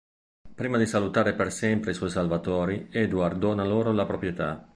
Prima di salutare per sempre i suoi salvatori, Edward dona loro la proprietà.